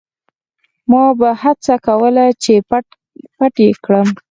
ما به هڅه کوله چې پټ یې کړم.